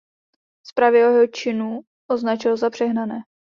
Zprávy o jeho činu označil za přehnané.